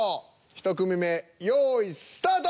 １組目用意スタート。